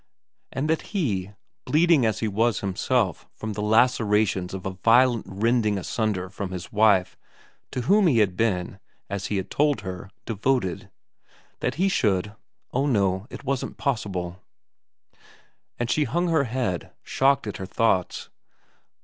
And that he, bleeding as he was himself from the lacerations of the violent rending asunder from his wife to whom he had been, as he had told her, devoted, that he should oh no, it wasn't possible ; and she hung her head, shocked at her thoughts.